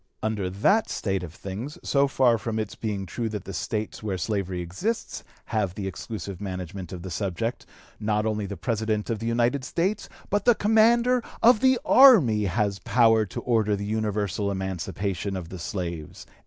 Under that state of things, so far from its being true that the States where slavery exists have the exclusive management of the subject, not only the President of the United States but the commander of the army has power to order (p. 264) the universal emancipation of the slaves."